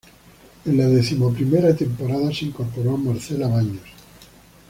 En la decimoprimera temporada, se incorporó Marcela Baños.